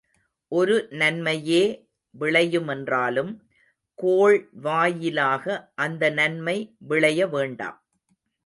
ஒரு நன்மையே விளையுமென்றாலும், கோள் வாயிலாக அந்த நன்மை விளைய வேண்டாம்.